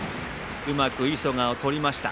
うまく磯がとりました。